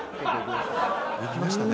いきましたね。